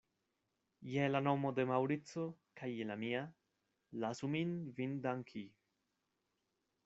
Je la nomo de Maŭrico kaj je la mia, lasu min vin danki.